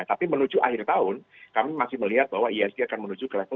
tapi menuju akhir tahun kami masih melihat bahwa ihsg akan menuju ke level tujuh tiga ratus lima puluh